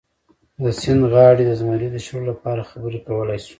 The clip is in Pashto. د سیند غاړې د زمري د شړلو لپاره خبرې کولی شو.